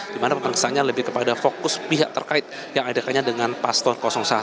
di mana pemeriksaannya lebih kepada fokus pihak terkait yang adakannya dengan pastor satu